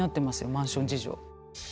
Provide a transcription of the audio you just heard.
マンション事情。